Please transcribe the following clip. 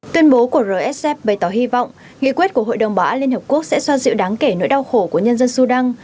tuyên bố của rsf bày tỏ hy vọng nghị quyết của hội đồng bảo an liên hợp quốc sẽ xoa dịu đáng kể nỗi đau khổ của nhân dân sudan